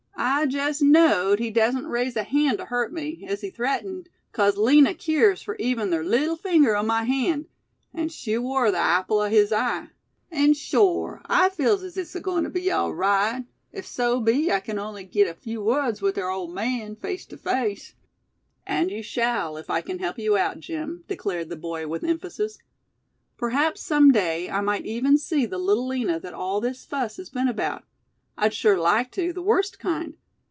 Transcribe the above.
I jest knowed he dassen't raise a hand tew hurt me, as he threatened, 'cause Lina keers fur even ther leetle finger o' my hand; an' she war ther apple o' his eye. An' shore I feels as it's agoin' tew be awl right, ef so be I kin on'y git a few words wid ther ole man, face tew face." "And you shall, if I can help you out, Jim," declared the boy, with emphasis. "Perhaps some day, I might even see the Little Lina that all this fuss has been about. I'd sure like to, the worst kind.